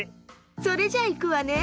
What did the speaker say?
それじゃいくわね。